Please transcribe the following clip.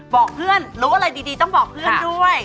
บอกเพื่อนรู้อะไรดีต้องบอกเพื่อนด้วย